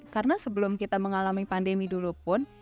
karena sebelum kita mengalami pandemi dulu pun